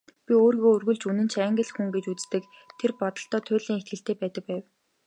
Тэр өөрийгөө үргэлж үнэнч Англи хүн гэж үздэг, тэр бодолдоо туйлын итгэлтэй байдаг байв.